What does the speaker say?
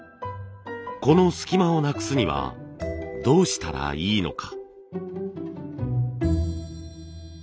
この隙間をなくすにはどうしたらいいのか。